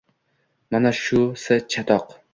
Mana shusi chatoq